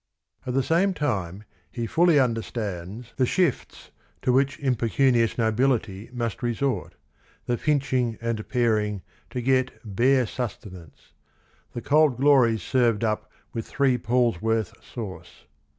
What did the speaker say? At the same time he fully understands the shifts 38 THE RING AND THE BOOK to which impecunious nobility must resort, "the pinching and paring" to get "bare sustenance"; "the cold glories served up with three paul's worth sauce."